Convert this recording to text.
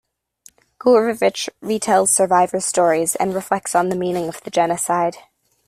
Gourevitch retells survivors' stories, and reflects on the meaning of the genocide.